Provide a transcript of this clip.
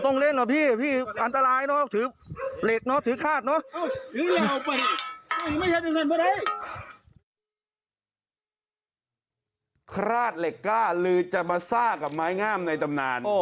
ต้องเล่นเหรอพี่อันตรายเนาะถือไลกเนาะถือคลาดเนาะ